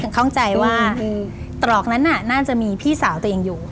เข้าใจว่าตรอกนั้นน่าจะมีพี่สาวตัวเองอยู่